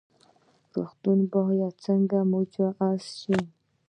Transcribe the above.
روغتونونه باید څنګه مجهز شي؟